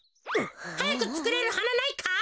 はやくつくれるはなないか？